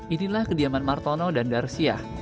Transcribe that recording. inilah kediaman martono dan darsiah